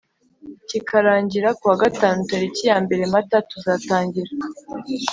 kikarangira ku wa gatanu tariki ya mbere Mata tuzatangira